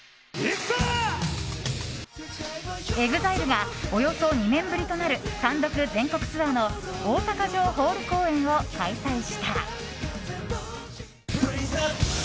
ＥＸＩＬＥがおよそ２年ぶりとなる単独全国ツアーの大阪城ホール公演を開催した。